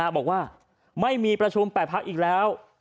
บอกว่าไม่มีประชุม๘พักอีกแล้ว